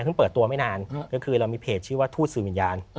เปิดตัวไม่นานก็คือเรามีเพจชื่อว่าทูตสื่อวิญญาณ